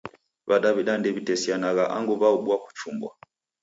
W'adaw'ida ndewitesianagha angu w'aobua kuchumbwa.